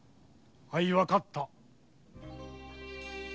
あいわかった。